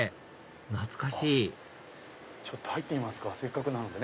懐かしい入ってみますかせっかくなのでね